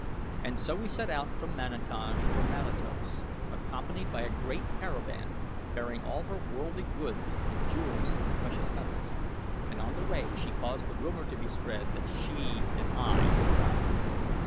And so we set out from Manataj for Manatos accompanied by a great caravan bearing all her worldly goods and jewels and precious metals, and on the way she caused the rumor to be spread that she and I had died.